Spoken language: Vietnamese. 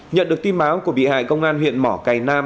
nhận được tin báo của bị hại công an huyện mỏ cầy nam